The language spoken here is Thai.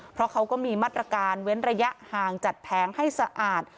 เพราะเขาก็มีมาตรการเว้นระยะห่างจัดแผงให้สะอาด